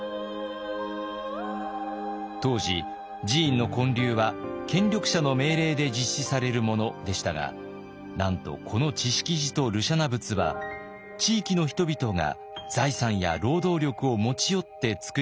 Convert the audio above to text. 当時寺院の建立は権力者の命令で実施されるものでしたがなんとこの智識寺と盧舎那仏は地域の人々が財産や労働力を持ち寄ってつくり上げたものだったのです。